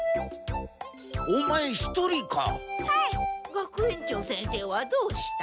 学園長先生はどうした？